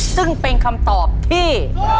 ซึ่งเป็นคำตอบที่